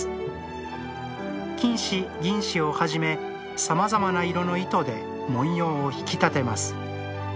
金糸・銀糸をはじめさまざまな色の糸で文様を引き立てます。